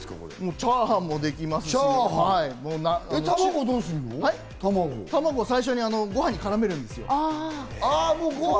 チャーハンもできますし、卵は最初にご飯に絡めるんですよ。